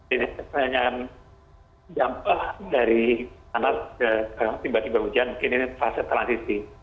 ini pertanyaan dampak dari panas tiba tiba hujan ini adalah fase transisi